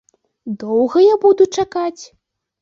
Доўга я буду чакаць?